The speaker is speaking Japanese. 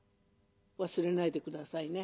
忘れないで下さいね。